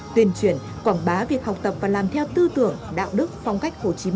tuyên truyền quảng bá việc học tập và làm theo tư tưởng đạo đức phong cách hồ chí minh